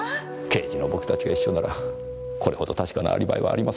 刑事の僕たちが一緒ならこれほど確かなアリバイはありませんからね。